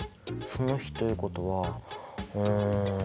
その比ということはうん。